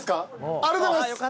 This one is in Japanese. ありがとうございます。